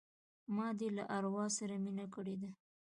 ما دي له اروا سره مینه کړې ده